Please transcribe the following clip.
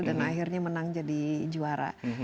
dan akhirnya menang jadi juara